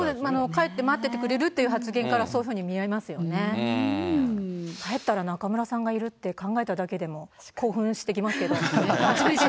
帰って待っててくれるという発言からも、そうい帰ったら中村さんがいるって考えただけでも、興奮してきますけどね。